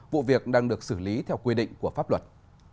vụ việc đang được xử lý theo quy định của pháp luật